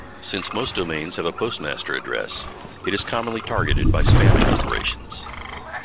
Since most domains have a postmaster address, it is commonly targeted by spamming operations.